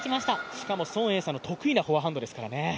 しかも孫エイ莎の得意なフォアハンドですからね。